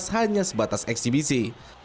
hanya sebatas eksibisi